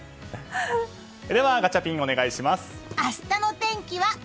では、ガチャピンお願いします。